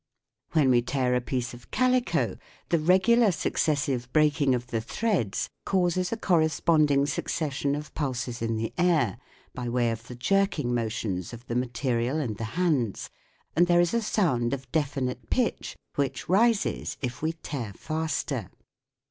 When we tear a piece of calico, the regular successive breaking of the threads causes a correspond ing succession of pulses in the air by way of the jerking motions of the material and the hands, and there is a sound of definite pitch, which rises if we tear faster.